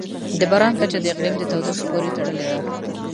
د باران کچه د اقلیم د تودوخې پورې تړلې ده.